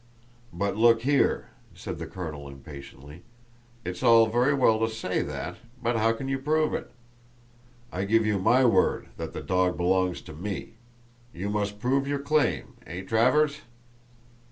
"But look here," said the colonel, impatiently; "it's all very well to say that, but how can you prove it? I give you my word that the dog belongs to me! You must prove your claim, eh, Travers?"